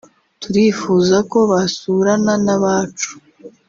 turifuza ko basurana n’abacu